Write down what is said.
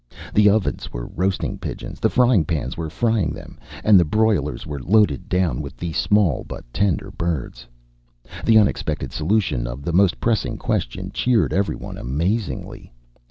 The ovens were roasting pigeons, the frying pans were frying them, and the broilers were loaded down with the small but tender birds. The unexpected solution of the most pressing question cheered every one amazingly.